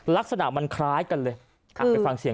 ลักษณะมันคล้ายกันเลย